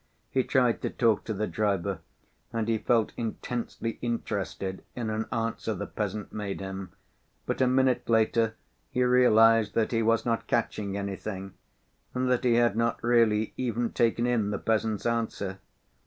He tried to talk to the driver, and he felt intensely interested in an answer the peasant made him; but a minute later he realized that he was not catching anything, and that he had not really even taken in the peasant's answer.